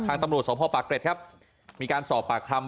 ตำรวจสพปากเกร็ดครับมีการสอบปากคำ